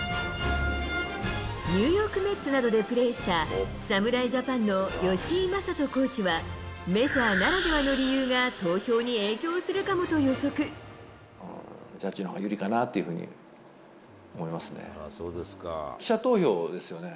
ニューヨーク・メッツなどでプレーした、侍ジャパンの吉井理人コーチは、メジャーならではの理由が投票にジャッジのほうが有利かなっていうふうに思いますね。